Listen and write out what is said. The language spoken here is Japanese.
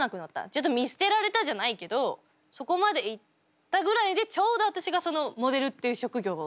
ちょっと見捨てられたじゃないけどそこまでいったぐらいでちょうど私がモデルっていう職業を見つけたから。